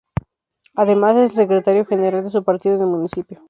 Además, es el secretario general de su partido en el municipio.